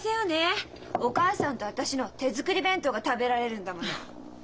お母さんと私の手作り弁当が食べられるんだもの。